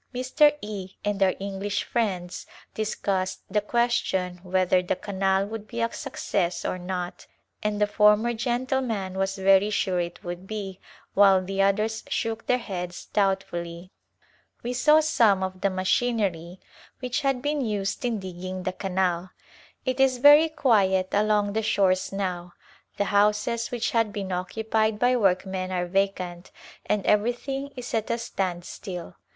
Mr. E and our English friends discussed the question whether the canal would be a success or not, and the former gentleman was very sure it would be while the others shook their heads doubtfully. We saw some of the machinery which had been used in digging the canal. It is very quiet along the shores now \ the houses which had been occupied by workmen are vacant and everything is at a standstill.